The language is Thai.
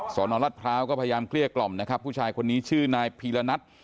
สอนอรัฐพร้าวก็พยายามเกลี้ยกล่อมนะครับผู้ชายคนนี้ชื่อนายพีรณัท